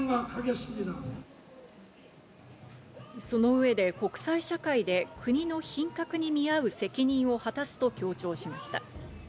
その上で、国際社会で国の品格に見合う責任を果たすと強調しました。